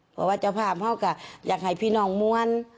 เพราะว่าเจ้าภาพเขาก็อยากให้พี่น้องมวล